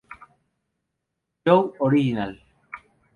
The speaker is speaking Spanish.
Joe original.